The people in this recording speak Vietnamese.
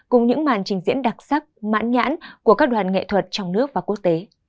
cùng những màn trình diễn đặc sắc mãn nhãn của các đoàn nghệ thuật trong nước và quốc tế